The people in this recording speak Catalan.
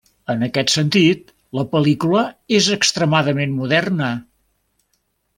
En aquest sentit, la pel·lícula és extremadament moderna.